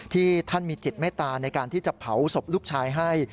ที่ท่านมีจิตเมตตาในการที่จะเผาศพลูกชายให้